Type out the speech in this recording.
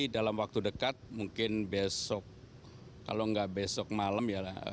dalam waktu dekat mungkin besok kalau tidak besok malam